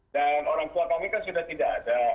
dan orang tua kami kan sudah tidak ada